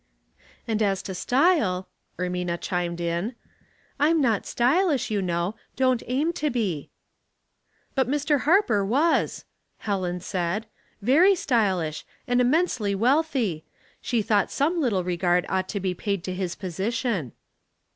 " And as to style," Ermina chimed in. "I'm not stylish, you know ; don't aim to be." " But Mr. Harper was," Helen said. " Very stylish, and immensely wealthy. She thought some little regard ought to be paid to his posi tion."